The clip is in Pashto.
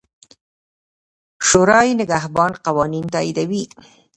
شورای نګهبان قوانین تاییدوي.